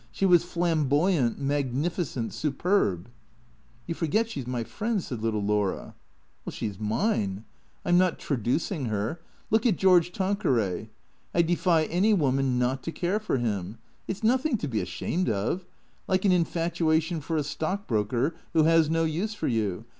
She was flamboyant, mag nificent, superb !"" You forget she 's my friend," said little Laura. " She 's mine. I 'm not traducing her. Look at George Tanqueray. I defy any woman not to care for him. It 's nothing to be ashamed of — like an infatuation for a stock broker who has no use for you.